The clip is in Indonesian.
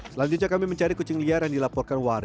selanjutnya kami mencari kucing liar yang dilaporkan warga